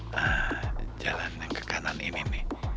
nah jalan yang ke kanan ini nih